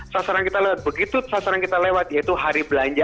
sasaran kita lewat begitu sasaran kita lewat yaitu hari belanja